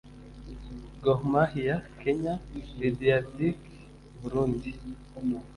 Gor Mahia (Kenya) Lydia Ludic (Burundi)